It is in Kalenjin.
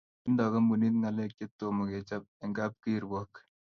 Tindoi kampunit ngalek che tomo kechop eng kapkirwok